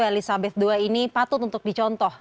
ratu elisabeth ii ini patut untuk dicontoh